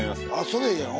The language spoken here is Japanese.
それええやん。